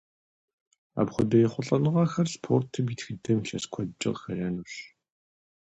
Апхуэдэ ехъулӏэныгъэхэр спортым и тхыдэм илъэс куэдкӏэ къыхэнэнущ.